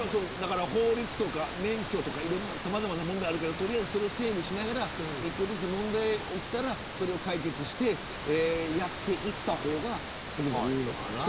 法律とか免許とかさまざまな問題があるけどそれを整備しながら一個ずつ問題が起きたらそれを解決してやっていった方がいいのかなと。